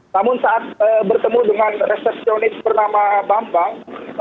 namun saat bertemu dengan resepsionis bernama bambang